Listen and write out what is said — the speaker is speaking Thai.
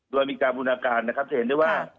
โดยมีการบูรณาการจะเห็นได้ว่า